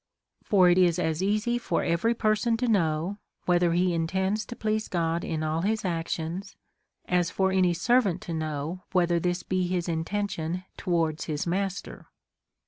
For it is as easy for every person to know, whether he intends to please God in all his actions, as for any servant to know whether this be his intention towards his master.